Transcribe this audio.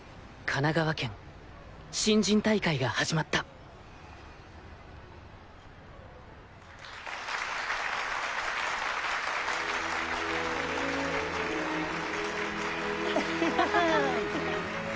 神奈川県新人大会が始まったアハハ！